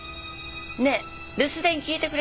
ねえ留守電聞いてくれた？